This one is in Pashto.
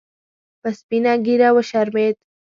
په سپینه ګیره وشرمید